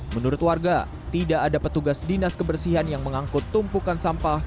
menurut warga tidak ada petugas dinas kebersihan yang mengangkut tumpukan sampah